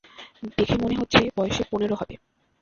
দেখে মনে হচ্ছে, বয়সে পনেরো হবে।